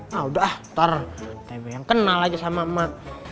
nah udah ah ntar tebe yang kenal aja sama emak